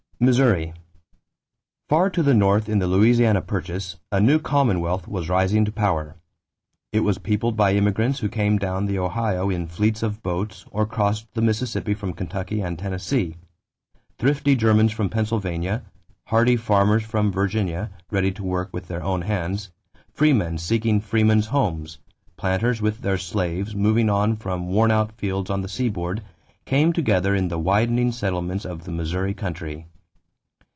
=Missouri.= Far to the north in the Louisiana purchase, a new commonwealth was rising to power. It was peopled by immigrants who came down the Ohio in fleets of boats or crossed the Mississippi from Kentucky and Tennessee. Thrifty Germans from Pennsylvania, hardy farmers from Virginia ready to work with their own hands, freemen seeking freemen's homes, planters with their slaves moving on from worn out fields on the seaboard, came together in the widening settlements of the Missouri country.